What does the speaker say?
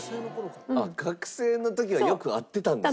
あっ学生の時はよく会ってたんですね。